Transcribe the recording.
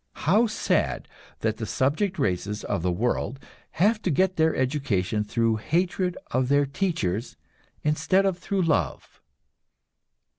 How sad that the subject races of the world have to get their education through hatred of their teachers, instead of through love!